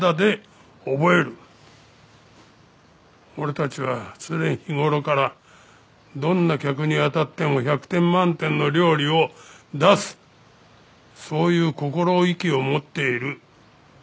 俺たちは常日頃からどんな客にあたっても１００点満点の料理を出すそういう心意気を持っている。